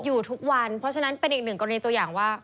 อยู่ทุกวันเพราะฉะนั้นเป็นอีกหนึ่งกรณีตัวอย่างว่า